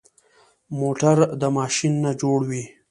موټر د ماشین نه جوړ وي.